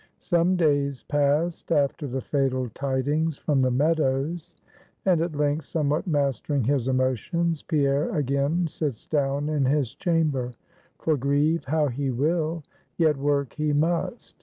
Some days passed after the fatal tidings from the Meadows, and at length, somewhat mastering his emotions, Pierre again sits down in his chamber; for grieve how he will, yet work he must.